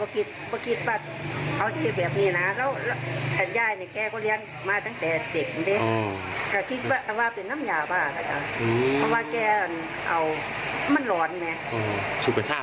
คิดว่าถึงว่าใครกับเออแต่ที่เหตุแห่งน้ำเลือดกาลไปหรือเปล่า